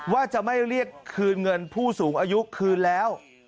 ว่าจะไม่เรียกคืนเงินผู้สูงอายุคืนแล้ว